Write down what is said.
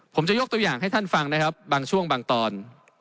ผมจะยกตัวอย่างให้ท่านฟังนะครับบางช่วงบางตอน